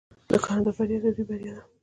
د کاناډا بریا د دوی بریا ده.